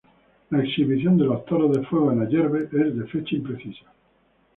La exhibición de los toros de fuego en Ayerbe es de fecha imprecisa.